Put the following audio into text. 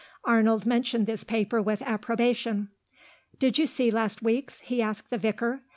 Arnold mentioned this paper with approbation. "Did you see last week's?" he asked the Vicar.